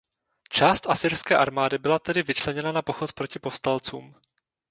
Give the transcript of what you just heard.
Část asyrské armády byla tedy vyčleněna na pochod proti povstalcům.